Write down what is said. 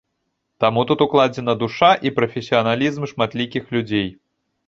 Таму тут укладзена душа і прафесіяналізм шматлікіх людзей.